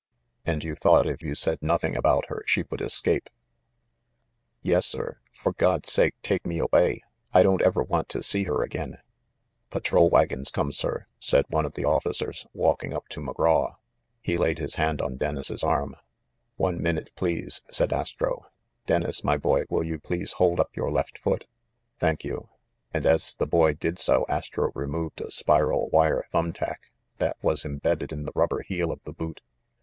"And you thought if you said nothing about her she would escape ?" THE MIDDLEBURY MURDER 405 "Yes, sir. For God's sake take me away! I don't ever want to see her again !" "Patrol wagon's come, sir," said one of the officers, walking up to McGraw. He laid his hand on Dennis' arm. "One minute, please," said Astro. "Dennis, my boy, will you please hold up your left foot? Thank you !" And as the boy did so Astro removed a spiral wire thumb tack that was imbedded in the rubber heel of the boot.